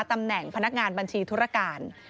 ตำแหน่งพนักงานบัญชีธุรการ